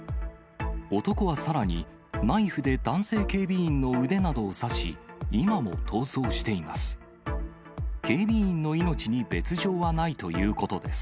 男はさらに、ナイフで男性警備員の腕などを刺し、今も逃走しています。